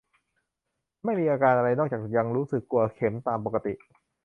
ไม่มีอาการอะไร นอกจากยังรู้สึกกลัวเข็มตามปกติ